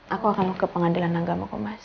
aku akan ke pengadilan anggam kemas